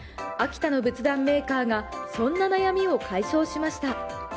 秋田の仏壇メーカーがそんな悩みを解消しました。